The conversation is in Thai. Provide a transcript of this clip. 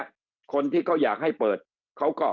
การเปิดห้างเปิดอะไรมาเนี่ย